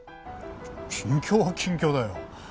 近況は近況だよ。